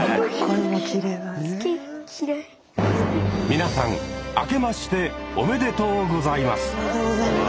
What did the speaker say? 皆さんあけましておめでとうございます。